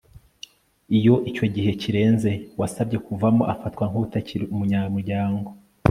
iyo icyo gihe kirenze uwasabye kuvamo afatwa nk'utakiri umunyamuryango